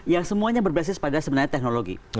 yang semuanya berbasis pada sebenarnya teknologi